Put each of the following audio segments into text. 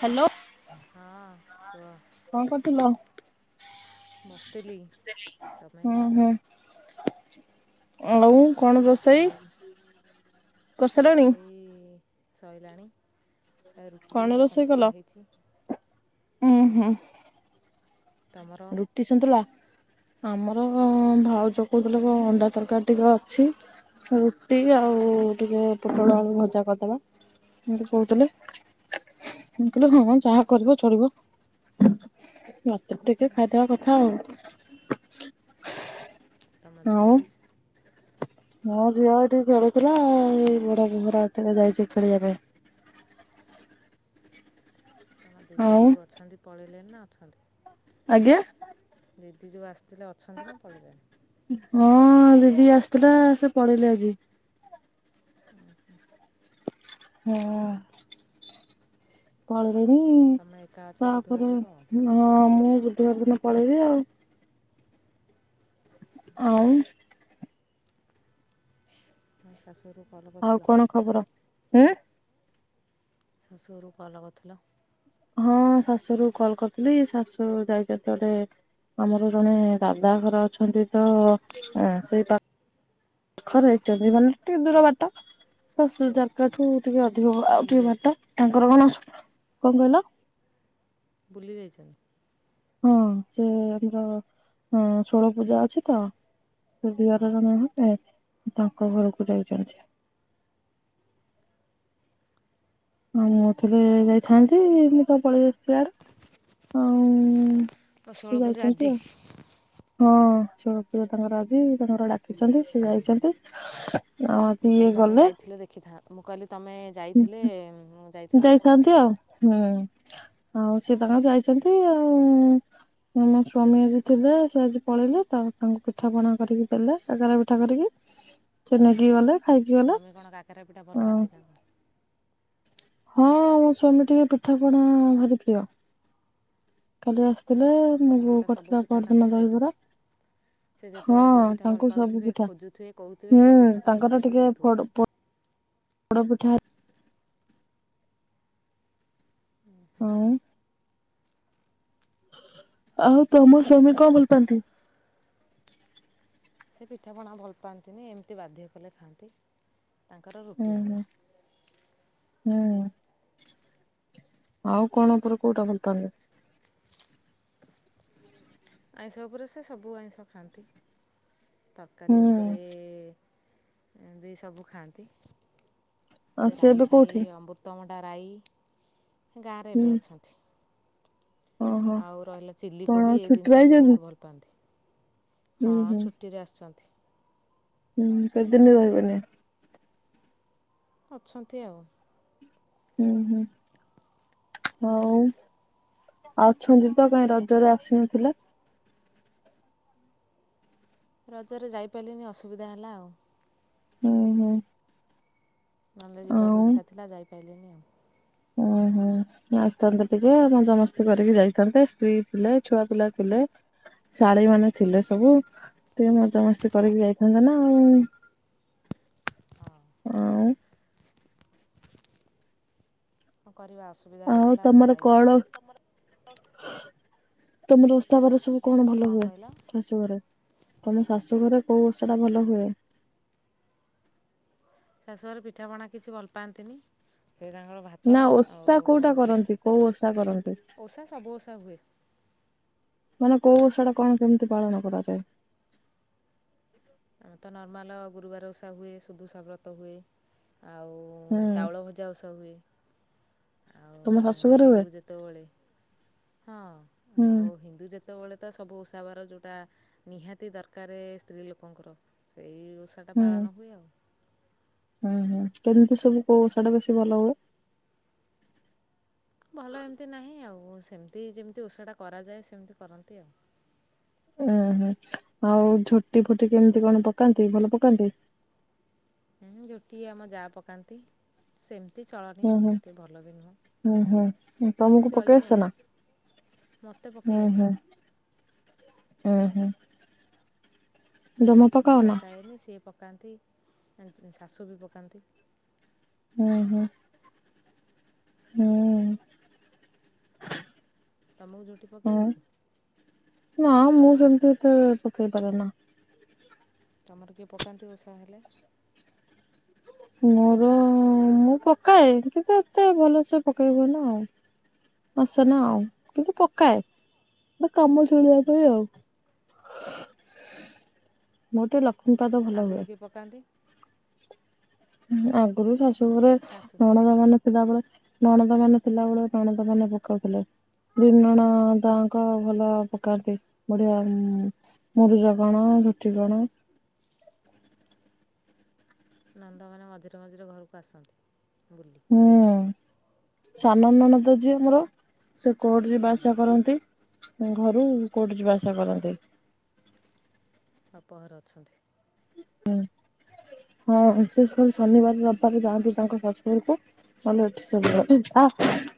Hello. ହଁ କୁହ କଣ କରୁଥିଲ? ବସିଥିଲି ତମେ ହୁଁ ହୁଁ ଆଉ କଣ ରୋଷେଇ କରିସାରିଲଣି? ରୋଷେଇ ଶୋଇଲାାଣି। ଆ ରୁଟି ଆଉ ସନ୍ତୁଳା ହେଇଛି। ହୁଁ ହୁଁ। ତମର ରୁଟି ସୁନ୍ତଲା। ଆମର ଭାଉଜଉ କହୁଥିଲେ କ ଅଣ୍ଡା ତରକାରୀ ଟିକେ ଅଛି ରୁଟି ଆଉ ଟିକେ ପୋଟଳ ଆେଳୁ ଭଜା କରିଦେବାତି କହୁଥିଲେ ମୁ କହିଲି ହଁ ଯାହା କରିବ ଚଡିବ ରାତିକୁ ଟିକେ ଖାଦବା କଥା ଆଉ। ତା ମାଝଅ ହଁ ଝିଅ ଟିକି ଖେଳୁଥିଲା ଏଇ ବଡ ଫରା ଖେ ଯାଇଛି ଖେଳିବା ପାଇଁ ତମ ଦିଦି ଆଉ ଯେଉଁ ଅଛନ୍ତି। ପଳେଇିଲେନ ନା ଅଛନ୍ତି। ଆଜ୍ଞା। ଦିଦି ଯୋଉ ଆସିଥିଲେ ଅଛନ୍ତି ନା ପଳିଲେଣି ହଁ ଦିଦି ଆସିଥିଲା ସେ ପଳେଇଲେ ଆଜି। ହଁ ପଳେ ଆଉ [unintelligible] ତମେ ଏକା ଅଛ ବୁଧବାର ତାପରେ ଯିବ ଆଉ ମୁଁ ବୁଧବାର ଦିନ ପଳେଇବି ଆଉ ଆଉ [unintelligible] ସରୁୁ ଆଉ କଣ ଖବର? ହ୍ନୁ ଶାଶୁ ଘରକୁ କଲ କରିଥିଲ। ହଁ ଶାଶୁରୁ କଲ କରିଥିଲି ଶାଶୁ ଯାଇଛନ୍ତିଗୋଟେ ଆମର ଜଣେ ଦାଦାଘର ଅଛନ୍ତି ତ ସେଇ ପା ଖରେ ହେଇଛନ୍ତି ମାନେ ଟିକେ ଦୂର ବାଟ ଶଶୁର ଜାରକାଠୁ ଟିକେ ଅଧିକ [inaudible] ବୁଲି ଆଉଟିଏ ଯାଇଥିଲେ ବାଟ ତାଙ୍କର କଣ ଅସୁ କଣକହିଲ? [unintelligible] ହଁ ସେ ଆମର ଷୋଳ ପୂଜା ଅଛି ତ ସେ ଦିଅରର ଓହୋ କଣ ହେବେ ତାଙ୍କ ଘରକୁ ଯାଇଛନ୍ତି। ହଁ ମୁଁ ଥରେ ଯାଇଥାନ୍ତି ମୁଁତ ପଳେଇଆସିଚି ଇଆଡେ ଆଉ ମ ସେ ଷୋଳ ପୂଜା ଯାଇଛନ୍ତି ଆଜିି। ଆଉ ହଁ ଷୋଳପୁଜା ତାଙ୍କର ଆଜି ତାଙ୍କର ଡାକିଛନ୍ତି ସେ ଯାଇଛନ୍ତି ସୁଁ। ମୁଁକହିଲି ତମେ ଯାଇଥିଲେ ଦେଖିଥାନ୍ତ ମୁଁ କହିଲି ତମେ ଯାଇଥାନ୍ତି ଆଉ ପୂଜାକୁ ହୁଁ। ଆଉ ସେ ତାଙ୍କର ଯାଇଛନ୍ତି ଆଉ ଉୁଁ ମୋ ସ୍ଵାମୀ ଆଜି ଥିଲେ ସେ ଆଜି ପଳେଇଲେ ତ ତାଙ୍କୁ ପିଠା ପଣା କରିକି ଦେଲେ କାକେରାପିଠା କରିକି ସେ ନେଇକି ଗଲେ ଖାଇକି ଗଲେ ସ୍ଵାମୀ କଣ କାକେରା ପିଠା ଭଲ ପାଆନ୍ତି ନା? ହଁ ମୋ ସ୍ଵାମୀ ଟିକେ ପିଠା ପଣା ଭାରି ପ୍ରିୟ କାଲି ଆସି ଥିଲେ ତମେ ମୋଵଉ ତ ସବୁ କରିଥିଲା ପିଠା ତାଙ୍କୁ ପରଦିନ ଖୋଉଥିବ। ଦହିବରା ସେ ହଁ ଯେତେବେଳେ ଯୋଉ ପିଠା ଭଲ ତାଙ୍କୁ ସବୁ ପାଉଥିବେ ପିଠା ଖୋଜୁଥିବେ କହୁଥିବେ ହୁଁ ସେଇ ପିଠା ତମେ ତାଙ୍କର ବନେଇକି ଟିକେ ଦଉଥିବ। ପୋଡ଼ ପଡ ପୋଡ଼ ପିଠା ହୁଁ। ଆଉ ତମ ସ୍ଵାମୀ କଣ ଭଲ ପାନ୍ତି? ସେ ପିଠାପଣା ଭଲ ପାଆନ୍ତିନି ଏମିତି ବାଧ୍ୟ କଲେ ଖାଆନ୍ତି। ତାଙ୍କର ହୁଁ ରୁଟି ଭଲ। ହୁଁ ହୁଁ ଆଉ କଣ ଉପରେ କୋଉଟା ଭଲ ପାନ୍ତି ଆଇଁଷ ଉପରେ ସେ ସବୁ ଆଇଁଷ ଖାଆନ୍ତି। ତରକାରୀ ହୁଁ ଉପରେ ଭି ସବୁ ଖାଆନ୍ତି। ଆଉ ସେ ସେ ଏବେ ରାଇଫାଇ କୋଉଠି? ଅମୃତଭ ରାଇ। ଗାଁରେ ହୁଁ ଏବେ ଅଛନ୍ତି। ଓହୋ ଆଉ ରହିଲା କଣ ଚିଲିକୋବି ଏଇ ଛୁଟିରେ ଜିନିଷ ସେ ଆଇଛନ୍ତି? ବହୁତ ଭଲ ପାଆନ୍ତି। ହଁ ହୁଁ ହୁଁ ଛୁଟିରେ ଆସିଛନ୍ତି। ହୁଁ କେତେଦିନ୍ ରହିବେନି। ଅଛନ୍ତି ଆଉ। ହୁଁ ହୁଁ ହଉ ଅଛନ୍ତି ତ କାଇଁ ରଜରେ ଆସିନଥିଲ? ରଜରେ ଯାଇପାରିଲିନି ଅସୁବିଧା ହେଲା ଆଉ। ଓ ହୋ। ନହେଲେ ଯିବାକୁ ଇଚ୍ଛାଥିଲା ଯାଇ ଲିନି ଆଉ। ଓହୋ ଆଇଥାନ୍ତେ ଟିକେ ମଜାମସ୍ତି କରିକି ଯାଇଥାନ୍ତେ। ସ୍ତ୍ରୀ ଥିଲେ ଛୁଆ ପିଲା ଥିଲେ ଶାଳୀମାନେ ଥିଲେ ସବୁ। ଟିକେ ମଜାମସ୍ତି କରିକି ଯାଇଥାନ୍ତେ ନା ଆଉ। ଆଉ କରିବା ଅସୁବିଧା ହେଇଗଲା ଆଉ ତମର ଯାଇ କଣ ହେଲାନି। ତମର ଓଷା ବାର ସବୁ କଣ ଭଲ ହୁଏ ଶାଶୁ ଘରେ? ତମ ଶାଶୁ ଘରେ କୋଉ ଓଷ ଟା ଭଲ ହୁଏ? ଶାଶୁଘରେ ପିଠାପଣା କିଛି ଭଲ ପାଆନ୍ତିନି। ସେ ତାଙ୍କର ଭାତ ନା ଓଷା ଆଉ କୋଉଟା ରୁଟି କରନ୍ତି ଫୁଟି କୋଉ ଓଷା କରନ୍ତି? ଓଷା ସବୁ ଓଷା ହୁଏ। ମାନେ କୋଉ ସେଟା କଣ କେମିତି ପାଳନ କରାଯାଏ? ଆମେ ତ ନର୍ମାଲ ଗୁରୁବାର ଉଷା ହୁଏ, ଶୁଦୁଷା ବ୍ରତ ହୁଏ। ଆଉ ହୁଁ ଚାଉଳ ଭଜା ଔଷ ହୁଏ। ଆଉ ତମ ଶାଶୁ ଘରେ ହିନ୍ଦୁ ହୁଏ? ଯେତେବେଳେ ହୁଁ। ସେତେବେଳେ ତ ସବୁ ଉଷାବାର ଯଉଁଟା ନିହାତି ଦରକାରେ ସ୍ତ୍ରୀ ଲୋକଙ୍କର ସେଇ ବର୍ଷାଟା ହୁଁ ପାଳନ ହୁଏ ଆଉ। ହୁଁ ହୁଁ। କେମିତି ସବୁ କହୁ ସେଇଟା ବେଶୀ ଭଲ ହୁଏ? ଭଲ ଏମିତି ନାହିଁ ଆଉ। ସେମିତି ଯେମିତି ଓଷଟା କରାଯାଏ ସେମିତି କରନ୍ତି ଆଉ। ହୁଁ ହୁଁ ଆଉ ଝୋଟି ଫୁଟି କେମିତି କଣ ପକାନ୍ତି ଭଲ ପକାନ୍ତି? ହୁଁ ଯୋଟିଏ ଆମ ଯାହ ପକାନ୍ତି। ସେମିତି ଏତେ ଚଳନି। ହୁଁ ଆଉ ହୁଁ ଏତେ ଭଲ ବି ନୁହଁ। ହୁଁ ହୁଁ ତମକୁ ପକେଇ ଚଳିବ ଆଉ ଆସେ ନା? ମୋତେ ପକେଇ ଆସେନି। ଓୁଁ ହୁଁ। ଜମା ମୋ ପକାଅ ନା? ପକାଏନି ସେ ପକାନ୍ତି ଅ ଶାଶୁ ବି ପକାନ୍ତି। ହୁଁ ହୁଁ। ହୁଁ। ତମକୁ ଝୁଟି ପକେଇ ହଁ ଆଇଚି? ନା ମୁଁ ସେମିତି ତ ପକେଇ ପାର ନା। ତମର କିଏ ପକାନ୍ତି ଉଷା ହେଲେ? ମୋର ମୁଁ ପକାଏ କିନ୍ତୁ ଏତେ ଭଲସ ପକେଇହୁଏନା ଆଉ ଆସେ ନା ଆଉ କିନ୍ତୁ ପକାଏ ଗ କାମ ଚଳିବା ପାଇଁ ଆଉ ମର ତ ଲ ଖଟା ତ ଭଲ ହୁଏ ଆଗରୁ କିଏ ପକାନ୍ତି ହଁ ଆଗରୁ ଶଶ। ସୋରେ ଶାଶୁ ରଣ ଦ ମାନେ ଥିଲାବେଳେ ନଣଦ ମାନେ ଥିଲାବେେଳେ ନଣଦ ମାନେ ପକାଉଥିଲେ ବି ନଣଦଙ୍କ ଭଲ ପକାନ୍ତି ବୁଢିଆ ମୁରିଜ କଣ ଝୁଟି କଣ? ନନ୍ଦ ମାନେ ମଝିରେ ମଝିରେ ଘରକୁ ଆସନ୍ତି। ଗୁ୍ଲଲି ହୁଁ ସାନ ନ ନତା ଯ ମମର। ସେ କୋର୍ଟ ଯିବା ହଁ ଆସିବା କରନ୍ତି। ଘରୁ କୋଉଠି ଯିବା ଆସା କରନ୍ତି? ବାପ ଘରେ ଅଛନ୍ତି। ହଁ ବିଶେଷ ଶନିବାର ରବିବାର ଯାଆନ୍ତି ତାଙ୍କ ଶାଶୁଘରକୁ [unintelligible]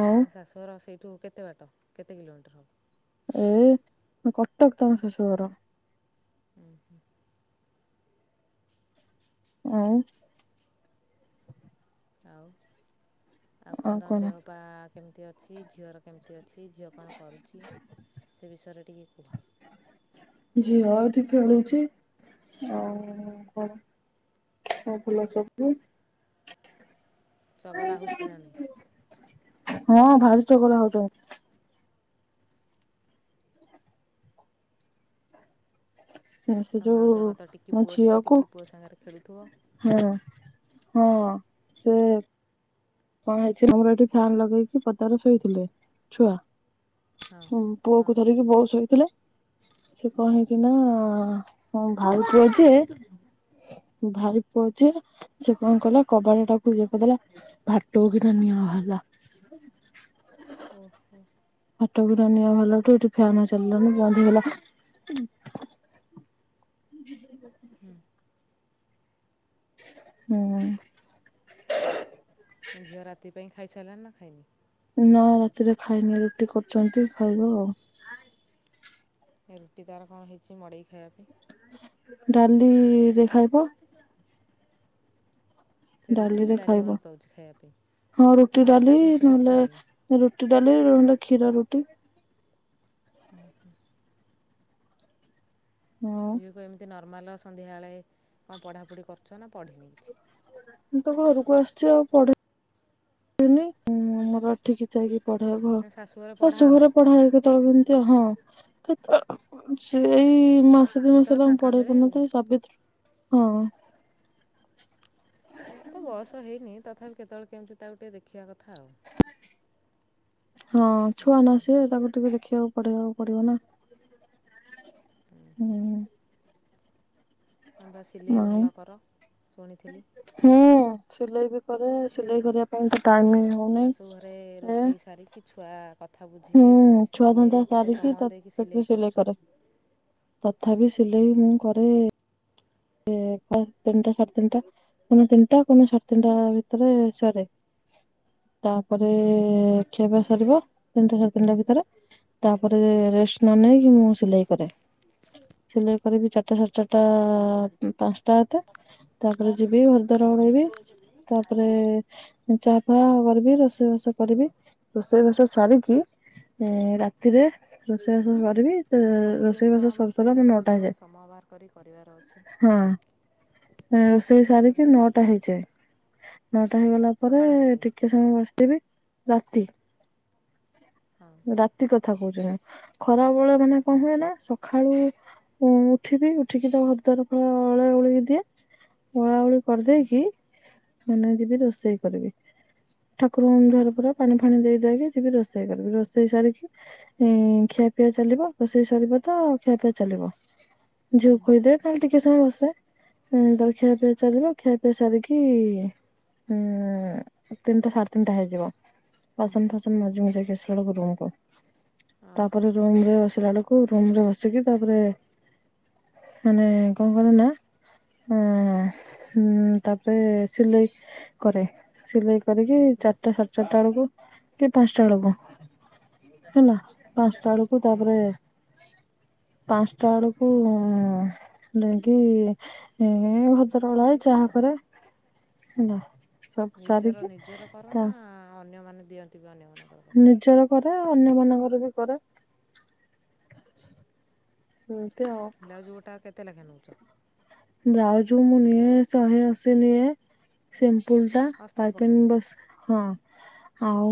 ଆଉ ଆ ଶାଶୁଘର [inaudible] [inaudible] କେତେ ବାଟ କେତେ କିଲୋମିଟର ହବ? ଏ କଟକ ତାଙ୍କ ଶାଶୁଘର। ଆଉ,, ଆଉ। ଆଉ କଣ ତମ ଦେହ ପାହା କେମିତି ଅଛି, ଝିଅର କେମିତି ଅଛି, ଝିଅ କଣ କରୁଛି, ସେ ବିଷୟରେ ଟିକେ କୁହ। [unintelligible] ଚଗଲା ହଉଛି ନା ନହିଁ? ହଁ ଭାରି ଚଗଲା ହୋଇଛି ସେ ତମ ଯୋଉ ଭାଊଜଙ୍କର ତ ଟିକି ମୋ ପୁଅଟେ ଝିଅକୁ ଟିକି ପୁଅ ସାଙ୍ଗରେ ଖେଳୁଥିବ। ହଁ ହଁ ସେ କଣ ହେଇଛି ଆମର ଏଠି ଫ୍ୟାନ ଲଗେଇକି ପଦାରେ ଶୋଇଥିଲେ ଛୁଆ। ହଁ ହଁ ହୁଁ [inaudible] ଧରିକି ବୋଉ ଶୋଇଥିଲେ ସେ କଣ ହେଇଛି ନା ହଁ ଭାଇ ପୁଅ ଯିଏ ହଁ। ଭାଇ ପୁଅ ଯିଏ ସେ କଣ କଲା କବାଟ ଟାକୁ ଦେଇପକାଇଲା। ଓହୋ। [unintelligible] [unintelligible] ଏଠି ଫ୍ୟାନ ଚାଲିଲା ଣିି ବନ୍ଦ ହେଇଗଲା। [inaudible] ହୁଁ ହୁଁ। ଝିଅ ରାତି ପାଇଁ ଖାଇସାରିଲାଣି ନା ଖାଇନି? ନା ରାତିରେ ଖାଇନି ରୁଟି କରୁଛନ୍ତି ଖାଇବ ଆଉ। ଏ ରୁଟି ତାର କଣ ହେଇଛି ମଡ଼େଇ ଖାଇବା ପାଇଁ। ଡାଲି ଦେ ଖାଇବ। ସେ ରୁଟିରେ ଡାଲିରେ ଡାଲି ଖାଇବ ଭଲ ପାଉଛି ଖାଇବା ପାଇଁ। ହଁ ରୁଟି ଅଲଗା ଡାଲି ଜିନିଷ କିଛି ଖାଉନି ନହେଲେ ରୁଟି ଡାଲି କ୍ଷୀର ରୁଟି। ହଁ ଝିଅ କୁ ଏମିତି ନର୍ମାଲ ସନ୍ଧ୍ୟାବେଳେ କଣ ପଢ଼ାପଢ଼ି କରୁଛ ନା ପଢ଼ିନି କିଛି? ମୁଁ ତ ଘରକୁ ଆସିଛି ଆଉ ପଢ଼େଇିନି ମୋର ଏଠିକି [unintelligible] ପଢ଼ିବ କଣ ନା ଶାଶୁଘରେ ଶାଶୁ ପଢ଼ାଅ ନା ଘରେ ପଢାଏ କେତେବେଳେ କେମିତି ହଁ [unintelligible] ସେଇ ମାସ ଦି ମାସ ଯେତେବେଳେ ହେଲା ମୁଁ ଫାଙ୍କା ପଢେଇ ମିଳେ ଆଉ। ପାରୁନଥିଲି ସାବିତ୍ରୀ। ହଁ। ଏ ତ ବୟସ ହେଇନି ତଥାପି କେତେବେଳେ କେମିତି ତାକୁ ଟିକେ ଦେଖିବା କଥା ଆଉ। ହଁ ଛୁଆ ନା ସିଏ ତାକୁ ଟିକେ ଦେଖିବାକୁ ପଢେଇବାକୁ ପଡିବ ନା ହୁଁ। ତମେବା ସିଲେଇ ଭଲ କର ଶୁଣିଥିଲି। ହୁଁ ସିଲେଇ ବି କରେ ସିଲେଇ କରିବା ପାଇଁ ତ ଟାଇମ୍ ଶାଶୁ ଘରେ ରୋଷେଇ ସାରିକି ଛୁଆ। କଥା ହୁଁ ବୁଝିକି ଛୁଆ ଧନ୍ଦା ସିଲେଇରେ କେତେ ସାରିକି ସମୟ ତ ଦେଇକି ସେଇଥୁ ସିଲେଇ କରୁଛ କରେ ତଥାପି ସିଲେଇ ମୁଁ କ ରେ ତିନିଟା ସାଡେ ତିନିଟା କୋଉ ନ ତିନିଟା କୋଉ ନ ସାଢେ ତିନିଟା ଭିତରେ ସରେ ତାପରେ ହଁ। ଖିଆ ପିଆ ସରିବ ତିନିଟା ସାଢେ ତିନିଟା ଭିତରେ ତାପରେ ରେଷ୍ଟ ନ ନେଇେଇକି ମୁଁ ସିଲେଇ କରେ ସିଲେଇ କରିବି ଚାରିଟା ସାଢେ ଚାରିଟା। ପାଞ୍ଚଟା ହେତେ ତାପରେ ଯିବି ଘର ଦ୍ୱାର ଉଳେଇବି ତାପରେ ଚା ଫା ହୁଁ କରିବି ରୋଷେଇ ବାସ କରିବି ରୋଷେଇ ବାସ ସାରିକି ରାତିରେ ରୋଷେଇ ବାସ ସରିବି। ସବୁ ଜିନିଷ ଆମ ସ୍ତ୍ରୀ ଲୋକ ଯେତେବେଳେ ସମୟ ବାହାର କରି କରିବାର ଅଛି। ହଁ ରୋଷେଇ ସାରିକି ନଅଟା ହେଇଯାଏ ନଅ। ଟା ହେଇଗଲା ପରେ ସକାଳ ରୋଷେଇ ଟିକେ ସମୟ ବସିଥିବି। ରାତି। ହଁ। ରାତି କଥ ଥା କଉଛି। ବେଳ ମାନେ କଣ ହୁଁ। ହୁଏ ନା ସ ସଖାଳୁ ଉ ଉଠିବି ଉଠିକି ତା ଘରଦ୍ୱାର। ଅଳାଉଳି ଦିଏ ଅଳାଉଳି ହୁଁ କରିଦେଇକି ମାନେ ଯିବି ରୋଷେଇ କରିବି ଠାକୁରଙ୍କୁ ଜୁହାର ଓହୋ ପୁହର ପାଣି ଫାଣି ଦେଇଦାକି ଯିବି ରୋଷେଇ କରିବି ରୋଷେଇ ସାରିକି ଖିଆ ପିଆ ଚାଲିବ ରୋଷେଇ ସାରିବ ତ ଖିଆ ପିଆ ଚାଲିବ ଝିଅ ହୁଁ ଖୋଇଦିଏ ଖାଲି ଟିକେ ଟିକେ ସମୟ ବସେ ଉଁ ତାପରେ ଖିଆ ପିଆ ଚାଲିବ ଖିଆ ପିଆ ସାରିକି ଉଁ ତିନିଟା ସାଢେ ତିନିଟା ହେଇଯିବ। ବାସନ ଫାସନ୍ ମଜିମୁଜାକି ଆସି। ପଳେଇବି ରୁମକୁ। ଓହୋ। ତାପରେ ରୁମ ରେ ବ ସ ଳାବେଲକୁ ରୁମ ରେ ବସିକି ତାପରେ ମାନେ। କଣ କରେ ନା ଅ ହୁଁ ତାପରେ ସିଲେଇ କରେ ସିଲେଇ। କରିକି ଓହୋ ଚାରିଟା ସାଢେ ଚାରିଟା ବେଳକୁ। ସେ ପାଞ୍ଚଟା ବେଳକୁ ହେଲା ପାଞ୍ଚ। ତଳକୁ ହୁଁ। ତାପରେ। ପାଞ୍ଚଟା ବେଳକୁ ଉଁ। ଯାଇକି ଏ ଘରଦ୍ୱାର ଓଳାଏ ଚାହା କରେ ହେଲା। ସବୁ ନିଜର ସାରିକି ନିଜର କର ତା ନା ଅନ୍ୟମାନେ। ଦଅନ୍ତି ବି ଅନ୍ୟମଙ୍କ - ନିଜର କରେ ଅନ୍ୟ ମାନଙ୍କର ବି କରେ। ହୁଁ। ବ୍ଲାଉଜ ଗୋଟା କେତେ ଲେଖା। [inaudible] ବ୍ଲାଉଜ୍ ମୁଁ ନିଏ ଶହେ ଅଶୀ ନିଏ ସେ ଫୁଲ୍ ଟା ଅସ୍ତ୍ର ପାଇପ ପକେଟା ବସ୍ ହଁ। ଆଉ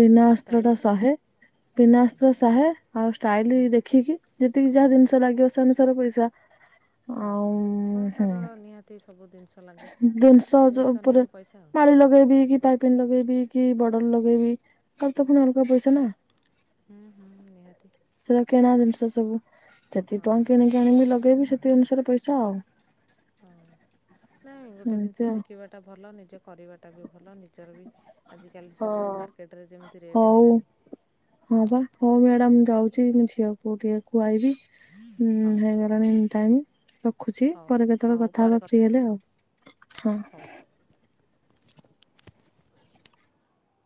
ବିନା ଅସ୍ତ୍ର ଟା ଷ୍ଟାଇଲଟା? ଶହେ ବିନା ଅସ୍ତ୍ର ଶହେ ଆଉ ଷ୍ଟାଇଲ ହୁଁ। ଦେଖିକି ଯେତିକି ଯାହା ଜିନିଷ ଲାଗିବ ସେ ଅନୁସାରେ ପଇସା। ଆଉ ଓହୋ ହଁ ହୁଁ ତାର ନିହାତି ସବୁ ଜିନିଷ ଲାଗେ ଜିନିଷ ଉପରେ ନେଇକି ପଇସା ଆଉ। ମାଳି ଲଗେଇବି କି ଟାଇପିନ୍ ଲଗେଇବି କି ବର୍ଡର ଲଗେଇବି କଉଟା ପୁଣି ଅଲଗା ପଇସା ନା। ହୁଁ ହୁଁ ନିହାତି ସେଇଟା କିଣା ଜିନିଷ ସବୁ ଯେତିକି ହଁ ଟଙ୍କା କିଣିକି ଆଣିବି ଲଗେଇବି ସେଥି ଅନୁସାରେ ପଇସା ହଁ ଆଉ। ଗୋଟେ ଏମିତି ଜିନିଷ ଆଉ। ଶିଖିବାଟା ଭଲ ନିଜ କରିବାଟା ବି ଭଲ ନିଜର ବି ଖ ଆଜିକାଲି ହଁ। ସବୁ ମାର୍କେଟରେ ଯେମିତି ରେଟ୍ ହଉ ହେଲାଣି ହଁ ବା ହଉ ହଉ ମ୍ୟାଡାମ ମୁଁ ଯାଉଛି ମୁଁ ଝିଅକୁ ଟିକେ ଖୁଆଇବି ହୁଁ ହଉ ହେଇଗଲାଣି ଟାଇମ୍ ରଖୁଛି ହଉ ପରେ କେତେବେଳେ ହଉ କଥା ହବା ପରେ ଫ୍ରି ହେଲେ ହେବା ଆଉ ହଁ। ହଉ ହଉ